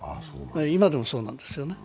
今でもそうなんですよね。